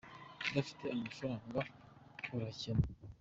udafite amafaranga urakena